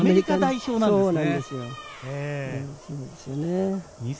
そうなんですよね。